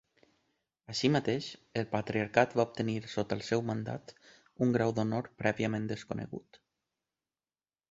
Així mateix el patriarcat va obtenir sota el seu mandat un grau d'honor prèviament desconegut.